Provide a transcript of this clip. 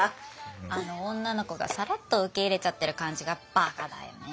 あの女の子がさらっと受け入れちゃってる感じがバカだよね。